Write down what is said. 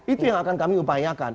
itu yang akan kami upayakan